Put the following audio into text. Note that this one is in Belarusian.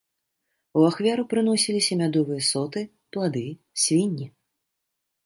У ахвяру прыносіліся мядовыя соты, плады, свінні.